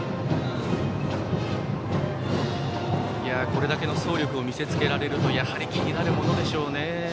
これだけの走力を見せ付けられるとやはり気になるものでしょうね。